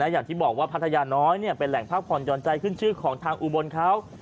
อย่างที่บอกว่าพัทยาน้อยเป็นแหล่งพักผ่อนหย่อนใจขึ้นชื่อของทางอุบลเขา